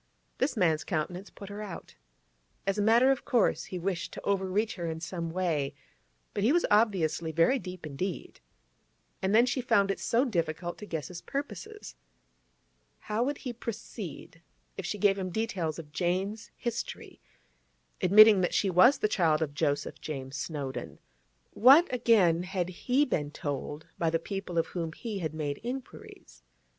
This man's countenance put her out. As a matter of course, he wished to overreach her in some way, but he was obviously very deep indeed. And then she found it so difficult to guess his purposes. How would he proceed if she gave him details of Jane's history, admitting that she was the child of Joseph James Snowdon? What, again, had he been told by the people of whom he had made inquiries?